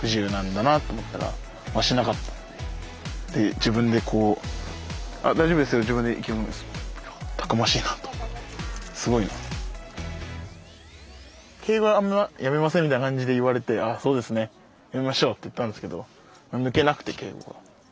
自分でこう「敬語やめません？」みたいな感じで言われて「あそうですねやめましょう」って言ったんですけど抜けなくて敬語が。